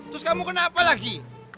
terus kamu kenapa lagi